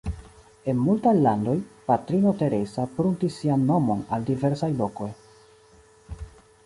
En multaj landoj, Patrino Teresa pruntis sian nomon al diversaj lokoj.